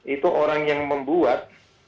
itu orang yang membuat